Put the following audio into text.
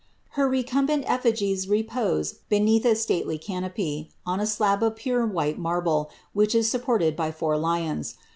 Her recumbent effigiea repose beneath a stately catio^^^ ow ^ ^i^ cH \ras% while marble, which is supported by four liou*.